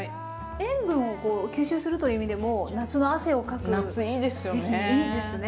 塩分を吸収するという意味でも夏の汗をかく時期にいいですね。